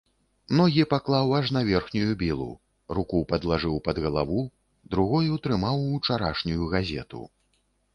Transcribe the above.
Ногі паклаў аж на верхнюю білу, руку падлажыў пад галаву, другою трымаў учарашнюю газету.